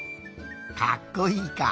かっこいいか。